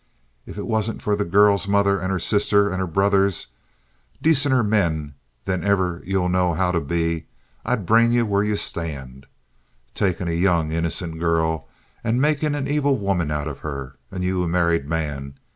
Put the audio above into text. If it wasn't for the girl's mother and her sister and her brothers—dacenter men than ever ye'll know how to be—I'd brain ye where ye stand. Takin' a young, innocent girl and makin' an evil woman out of her, and ye a married man!